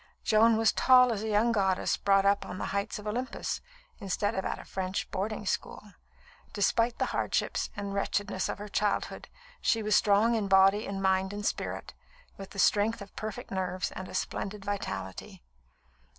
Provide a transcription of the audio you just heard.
Joan was tall as a young goddess brought up on the heights of Olympus, instead of at a French boarding school. Despite the hardships and wretchedness of her childhood, she was strong in body and mind and spirit, with the strength of perfect nerves and a splendid vitality.